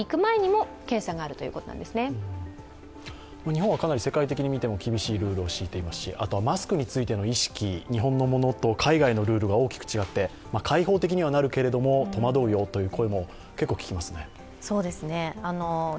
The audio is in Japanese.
日本はかなり世界的に見ても厳しいルールを敷いていますしあとはマスクについての意識、日本のものと海外のルールが大きく違って、開放的にはなるけれども、戸惑うよという声も結構聞きますね。